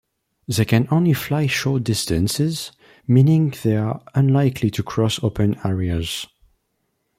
They can only fly short distances, meaning they are unlikely to cross open areas.